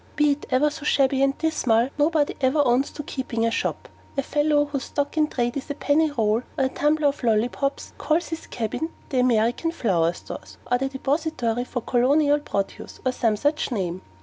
Be it ever so shabby and dismal, nobody ever owns to keeping a shop. A fellow whose stock in trade is a penny roll or a tumbler of lollipops, calls his cabin the 'American Flour Stores,' or the 'Depository for Colonial Produce,' or some such name.